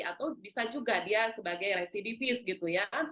atau bisa juga dia sebagai residivis gitu ya